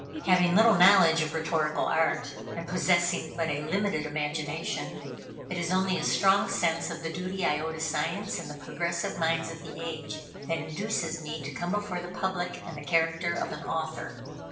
Having little knowledge of rhetorical art, and possessing but a limited imagination, it is only a strong sense of the duty I owe to Science and the progressive minds of the age, that induces me to come before the public in the character of an author.